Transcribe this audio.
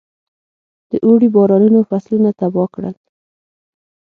د اوړي بارانونو فصلونه تباه کړل.